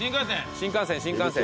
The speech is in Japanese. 新幹線新幹線。